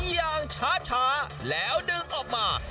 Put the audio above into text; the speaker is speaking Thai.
อย่างช้าแล้วดึงออกมา